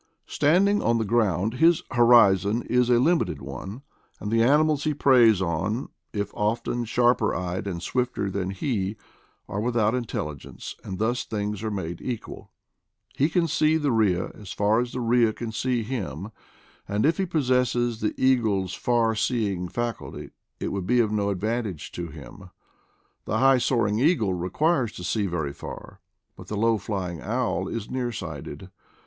Standing on the ground, his horizon is a limited one ; and the animals he preys on, if often sharper SIGHT IN SAVAGES 177 eyed and swifter than he, are without intelligence, and thus things are made equal. He can see the jrhea as far as the rhea can see him; and if he possessed the eagle's far seeing faculty it would be of no advantage to him. The high soaring eagle requires to see very far, but the low flying owl is near sighted.